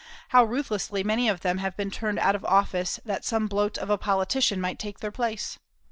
How ruthlessly many of them have been turned out of office that some bloat of a politician might take their place!